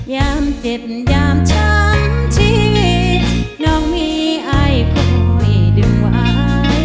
ยามเจ็บยามช้ำที่น้องมีอายคอยดึงไว้